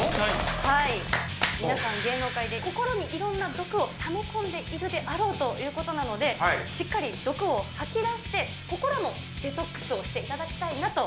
皆さん、芸能界で心にいろんな毒をため込んでいるであろうということなので、しっかり毒を吐き出して、心もデトックスをしていただきたいなと。